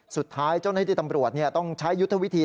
สุดท้ายเจ้าหน้าที่ตำรวจต้องใช้ยุทธวิธี